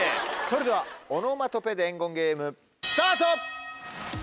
それではオノマトペ伝言ゲーム。